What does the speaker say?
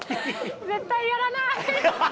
絶対やらない。